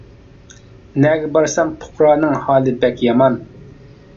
نەگە بارسام پۇقرانىڭ، ھالى بەك يامان.